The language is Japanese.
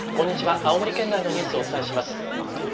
青森県内のニュースをお伝えします。